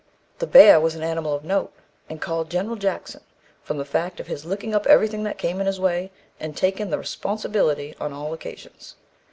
"The bear was an animal of note, and called General Jackson, from the fact of his licking up everything that came in his way, and taking 'the responsibility' on all occasions.